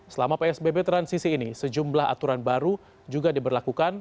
selama psbb transisi ini sejumlah aturan baru juga diberlakukan